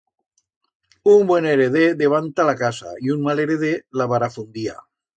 Un buen hereder devanta la casa, y un mal hereder la barafundía.